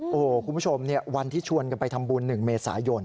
โอ้โหคุณผู้ชมวันที่ชวนกันไปทำบุญ๑เมษายน